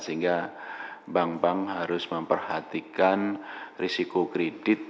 sehingga bank bank harus memperhatikan risiko kredit